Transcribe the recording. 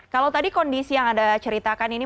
kalau tadi kondisi yang anda ceritakan ini